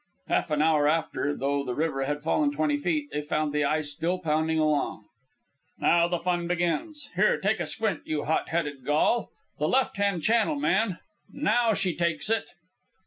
Half an hour after, though the river had fallen twenty feet, they found the ice still pounding along. "Now the fun begins. Here, take a squint, you hot headed Gaul. The left hand channel, man. Now she takes it!"